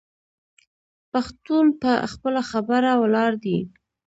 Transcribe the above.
پښتون په خپله خبره ولاړ دی.